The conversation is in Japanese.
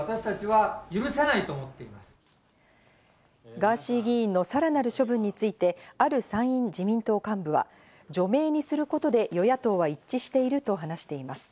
ガーシー議員のさらなる処分についてある参院自民党幹部は、除名にすることで与野党は一致していると話しています。